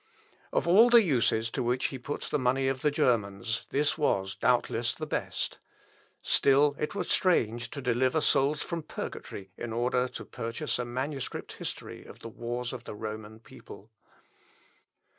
Of all the uses to which he put the money of the Germans, this was, doubtless, the best. Still it was strange to deliver souls from purgatory in order to purchase a manuscript history of the wars of the Roman people.